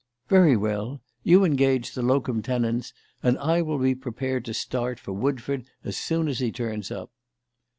"Very well. You engage the locum tenens, and I will be prepared to start for Woodford as soon as he turns up."